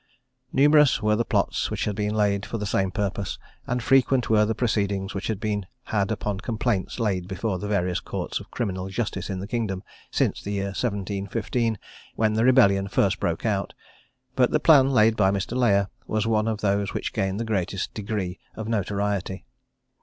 Numerous were the plots which had been laid for the same purpose, and frequent were the proceedings which had been had upon complaints laid before the various courts of criminal justice in the kingdom, since the year 1715, when the rebellion first broke out; but the plan laid by Mr. Layer was one of those which gained the greatest degree of notoriety.